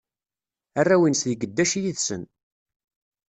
Arraw-ines di geddac yid-sen.